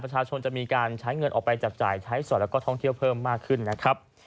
จะมีการใช้เงินออกไปจับจ่ายใช้สอดแล้วก็ท่องเที่ยวเพิ่มมากขึ้นนะครับ